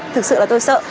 thực sự là tôi sợ